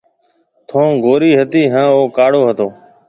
ٿُون گوري هتي هانَ او ڪاڙو هتو۔